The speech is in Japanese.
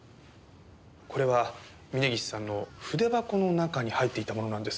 これは峰岸さんの筆箱の中に入っていたものなんです。